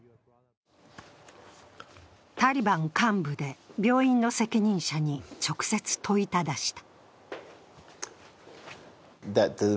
タリバン幹部で、病院の責任者に直接問いただした。